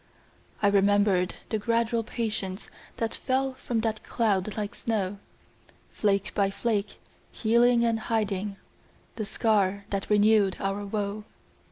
I remembered the gradual patience That fell from that cloud like snow, Flake by flake, healing and hiding The scar that renewed our woe.